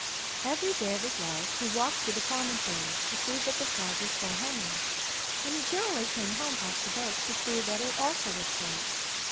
Every day of his life he walked to the promontory, to see that the flag was still hanging; and he generally came home past the boat, to see that it also was safe.